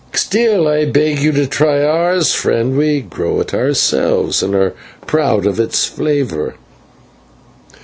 "Still, I beg you to try ours, friend, we grow it ourselves and are proud of its flavour."